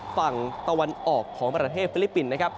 ฝั่งตะวันออกของประเทศฟิลิปปินส์นะครับ